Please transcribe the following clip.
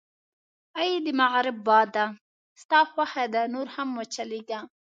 اې د مغرب باده، ستا خوښه ده، نور هم و چلېږه.